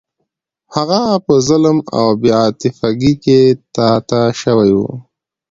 هغه په ظلم او بې عاطفګۍ کې تا ته شوی و.